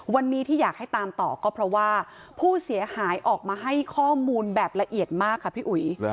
วันนี้ที่อยากให้ตามต่อก็เพราะว่าผู้เสียหายออกมาให้ข้อมูลแบบละเอียดมากค่ะพี่อุ๋ย